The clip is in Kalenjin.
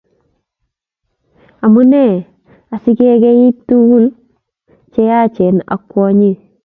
Amune asikekeit tuguk cheyachen ak kwonyik